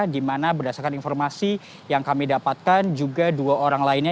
di mana berdasarkan informasi yang kami dapatkan juga dua orang lainnya